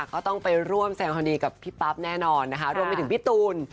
ก็ต้องไปร่วมแสดงความดีกับพี่ปั๊บแน่นอนนะคะรวมไปถึงพี่ตูน